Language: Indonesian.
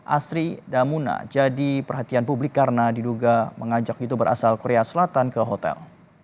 asri damuna jadi perhatian publik karena diduga mengajak youtuber asal korea selatan ke hotel